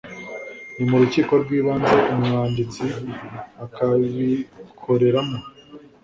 ni mu rukiko rw ibanze umwanditsi akabikoreramo